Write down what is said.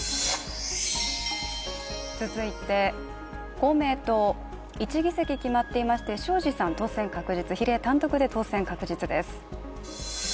公明党、１議席決まっていまして庄司さんが比例単独で当選確実です。